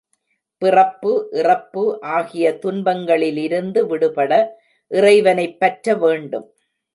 பிறப்பு, இறப்பு ஆகிய துன்பங்களிலிருந்து விடுபட இறைவனைப் பற்ற வேண்டும்.